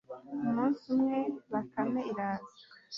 umunsi umwe bakame iraza